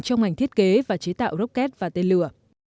trong ngành thiết kế và chế tạo rocket và tên lửa